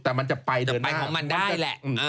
แต่มันจะไปเดินหน้ามันจะไปของมันได้แหละ